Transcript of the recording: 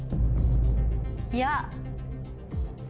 いや。